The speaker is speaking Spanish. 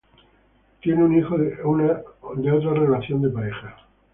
Tiene un hijo de otra relación de pareja.